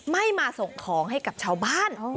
ไม่มาส่งของให้กับชาวบ้าน